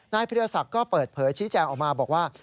พิรศักดิ์ก็เปิดเผยชี้แจงออกมาบอกว่า